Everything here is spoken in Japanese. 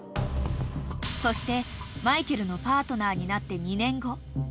［そしてマイケルのパートナーになって２年後］